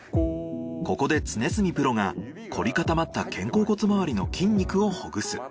ここで常住プロが凝り固まった肩甲骨周りの筋肉をほぐす。